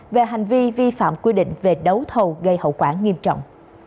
về hành vi vi phạm quy định về đấu thầu gây hậu quả nghiêm trọng